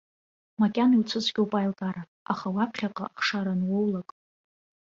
Макьана иуцәыцәгьоуп аилкаара, аха уаԥхьаҟа, ахшара ануоулак.